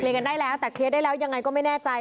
กันได้แล้วแต่เคลียร์ได้แล้วยังไงก็ไม่แน่ใจ